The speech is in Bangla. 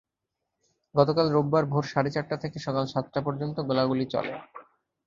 গতকাল রোববার ভোর সাড়ে চারটা থেকে সকাল সাতটা পর্যন্ত গোলাগুলি চলে।